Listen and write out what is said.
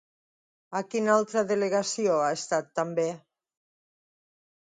A quina altra delegació ha estat també?